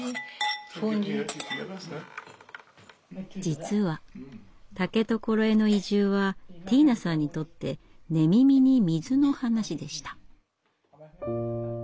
実は竹所への移住はティーナさんにとって寝耳に水の話でした。